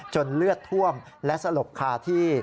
เลือดท่วมและสลบคาที่